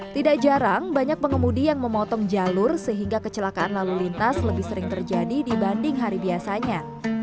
tidak jarang banyak pengemudi yang memotong jalur sehingga kecelakaan lalu lintas lebih sering terjadi dibanding hari biasanya